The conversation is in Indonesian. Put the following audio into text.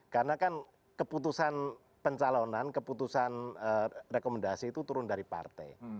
karena kan keputusan pencalonan keputusan rekomendasi itu turun dari partai